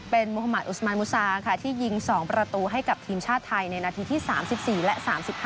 เป็นมุธมัติอุสมานมุซาค่ะที่ยิง๒ประตูให้กับทีมชาติไทยในนาทีที่๓๔และ๓๕